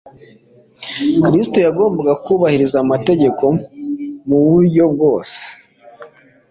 Kristo yagombaga kubahiriza amategeko mu buryo bwose